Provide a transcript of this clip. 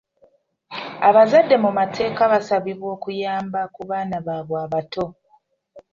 Abazadde mu mateeka basabibwa okuyamba ku baana baabwe abato.